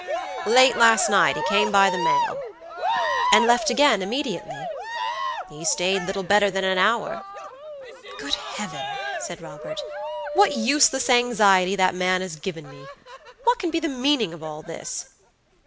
"Late last night; he came by the mail." "And left again immediately?" "He stayed little better than an hour." "Good Heaven!" said Robert, "what useless anxiety that man has given me! What can be the meaning of all this?"